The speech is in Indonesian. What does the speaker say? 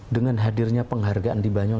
dengan hadirnya penghargaan di banyuwan